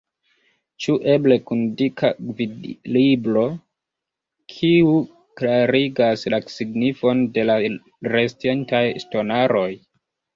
Ĉu eble kun dika gvidlibro, kiu klarigas la signifon de la restintaj ŝtonaroj?